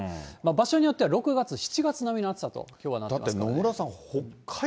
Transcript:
場所によっては６月、７月並みの暑さと、きょうはなってますから。